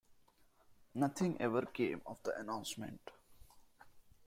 Nothing ever came of the announcement.